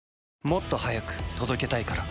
もっと速く届けたいから。